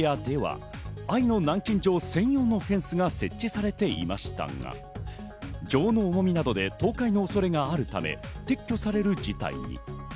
他にも愛媛県のサービスエリアでは、愛の南京錠専用のフェンスが設置されていましたが、錠の重みなどで倒壊の恐れがあるため撤去される事態に。